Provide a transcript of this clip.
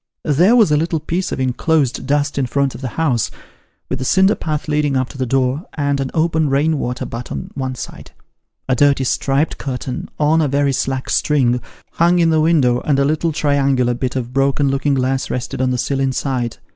There was a little piece of enclosed dust in front of the house, with a cinder path leading up to the door, and an open rain water butt on one side. A dirty striped curtain, on a very slack string, hung in the window, and a little triangular bit of broken looking glass rested on the sill inside.